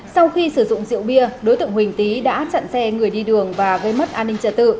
sau khi sử dụng rượu bia đối tượng huỳnh tý đã chặn xe người đi đường và gây mất an ninh trật tự